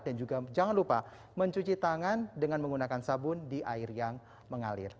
dan juga jangan lupa mencuci tangan dengan menggunakan sabun di air yang mengalir